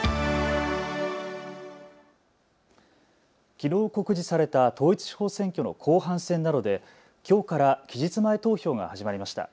きのう告示された統一地方選挙の後半戦などで、きょうから期日前投票が始まりました。